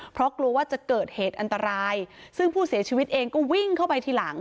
เพราะกลัวว่าจะเกิดเหตุอันตรายซึ่งผู้เสียชีวิตเองก็วิ่งเข้าไปทีหลัง